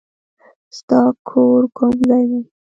ستا کور کوم ځای دی؟